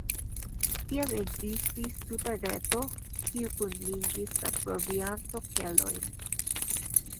Tiam ekzistis tuta reto, kiu kunligis la provianto-kelojn.